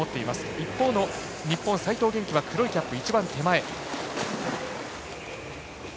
一方の日本、齋藤元希は黒いキャップ、一番手前。